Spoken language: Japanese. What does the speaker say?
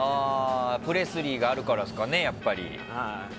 プレスリーがあるからですかねやっぱり。